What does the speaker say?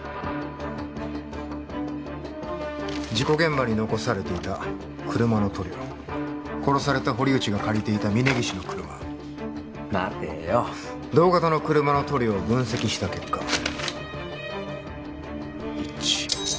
事故現場に残されていた車の塗料殺された堀内が借りていた峯岸の車待てよ同型の車の塗料を分析した結果一致